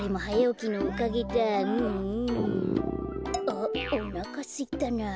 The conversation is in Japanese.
あっおなかすいたなあ。